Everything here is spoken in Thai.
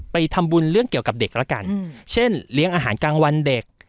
ไปทำบุญเรื่องเกี่ยวกับเด็กแล้วกันเช่นเลี้ยงอาหารกลางวันเด็ก